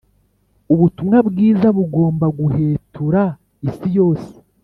ubutumwa bwiza bugomba guhetura isi yose,